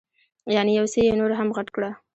یعنې یو څه یې نور هم غټ کړه.